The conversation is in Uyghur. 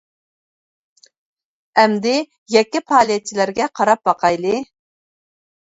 ئەمدى يەككە پائالىيەتچىلەرگە قاراپ باقايلى .